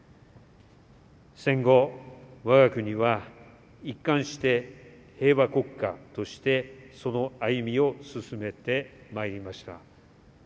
戦後、我が国は一貫して平和国家としてその歩みを進めてまいりました。